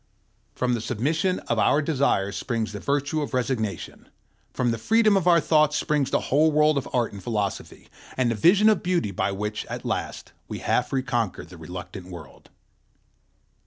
From the submission of our desires springs the virtue of resignation; from the freedom of our thoughts springs the whole world of art and philosophy, and the vision of beauty by which, at last, we half reconquer the reluctant world.